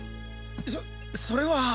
そそれは。